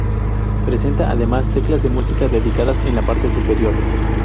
Presenta además teclas de música dedicadas en la parte superior.